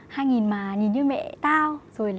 hai nghìn mà nhìn như mẹ tao